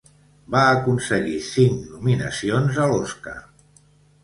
Va aconseguir cinc nominacions a l'Oscar.